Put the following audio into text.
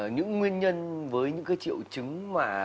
những nguyên nhân với những cái triệu chứng mà